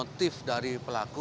atau motif dari pelaku